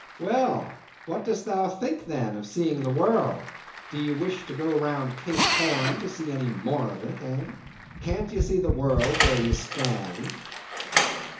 "Well, what does thou think then of seeing the world? Do ye wish to go round Cape Horn to see any more of it, eh? Can't ye see the world where you stand?"